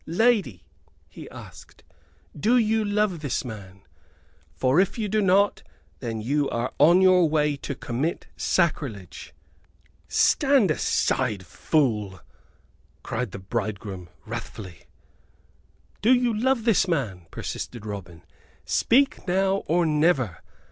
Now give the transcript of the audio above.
"Lady," he asked, "do you love this man? For if you do not then you are on your way to commit sacrilege." "Stand aside, fool," cried the bridegroom, wrathfully. "Do you love this man?" persisted Robin. "Speak now or never.